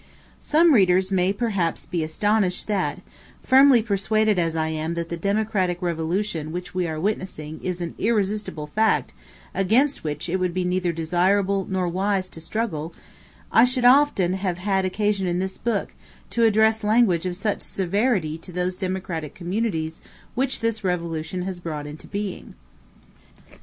Some readers may perhaps be astonished that firmly persuaded as I am that the democratic revolution which we are witnessing is an irresistible fact against which it would be neither desirable nor wise to struggle I should often have had occasion in this book to address language of such severity to those democratic communities which this revolution has brought into being.